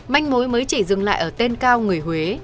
manh mối mới chỉ dừng lại ở tên cao người huế